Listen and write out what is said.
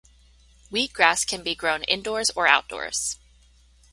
Wheatgrass can be grown indoors or outdoors.